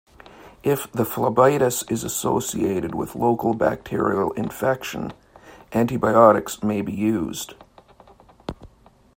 If the phlebitis is associated with local bacterial infection, antibiotics may be used.